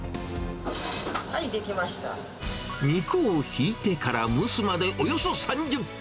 はい、肉をひいてから蒸すまでおよそ３０分。